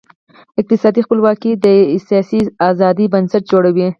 اقتصادي خپلواکي د سیاسي آزادۍ بنسټ جوړوي.